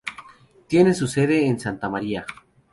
Tiene su sede en Santa Maria.